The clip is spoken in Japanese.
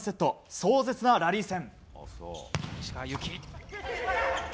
壮絶なラリー戦。